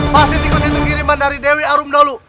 pasti itu kiriman dari dewi arum dalu